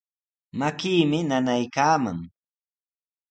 Makiimi nanaykaaman.